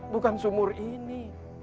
bukan sumur ini